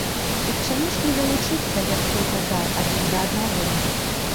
Дык чаму ж не далучыцца, як той казаў, адзін да аднаго?